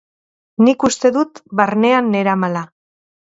Nik uste dut barnean neramala.